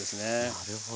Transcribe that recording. なるほど。